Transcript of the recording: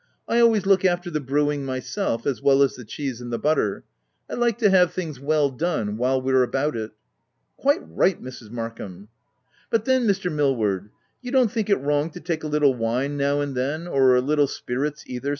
I al ways look after the brewing myself, as well as the cheese and the butter — I like to have things well done, while we're about it." u Quite right Mrs. Markham !"" But then, Mr. Millward, you don't think it wrong to take a little wine now and then — or a little spirits either?"